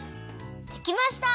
できました！